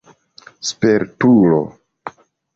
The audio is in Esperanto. spertulo